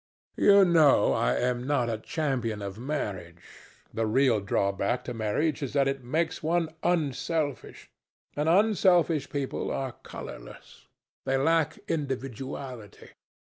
You know I am not a champion of marriage. The real drawback to marriage is that it makes one unselfish. And unselfish people are colourless. They lack individuality.